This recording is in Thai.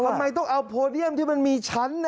ทำไมต้องเอาโพเดียมที่มันมีชั้น